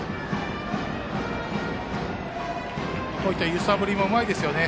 揺さぶりもうまいですよね。